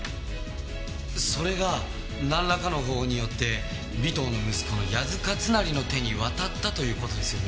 それがなんらかの方法によって尾藤の息子の谷津勝成の手に渡ったという事ですよね。